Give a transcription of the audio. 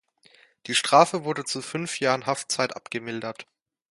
Die Strafe wurde zu fünf Jahren Haftzeit abgemildert.